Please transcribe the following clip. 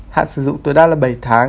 hạn sử dụng tuổi đa là bảy tháng